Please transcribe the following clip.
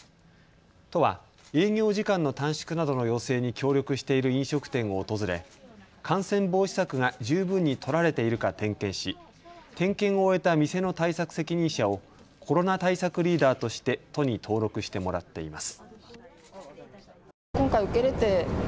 都は営業時間の短縮などの要請に協力している飲食店を訪れ感染防止策が十分に取られているか点検し、点検を終えた店の対策責任者をコロナ対策リーダーとして都に登録してもらっています。